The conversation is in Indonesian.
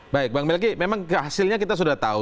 baik bang melki memang hasilnya kita sudah tahu